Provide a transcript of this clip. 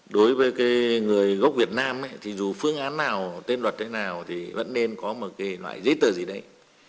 đối với người gốc việt nam thì dù phương án nào tên luật nào thì vẫn nên có một loại giấy tờ gì đấy